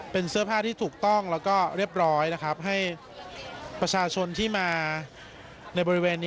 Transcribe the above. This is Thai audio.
เป็นเสื้อผ้าที่ถูกต้องและเรียบร้อยนะครับ